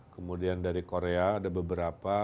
kemudian dari korea ada beberapa